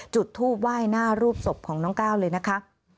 จุดทูปไหว้หน้ารูปศพของน้องก้าวเลยนะคะ